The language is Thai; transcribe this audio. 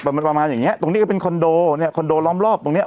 มันประมาณอย่างเงี้ตรงนี้ก็เป็นคอนโดเนี้ยคอนโดล้อมรอบตรงเนี้ย